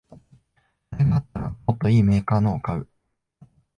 金があったらもっといいメーカーのを買う